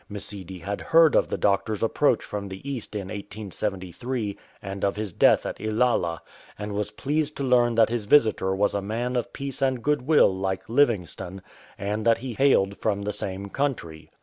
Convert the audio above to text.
Msidi had heard of the Doctor s approach from the east in 1873 and of his death at Ilala, and was pleased to learn that his visitor was a man of peace and goodwill like Livingstone, and that he hailed from the same country.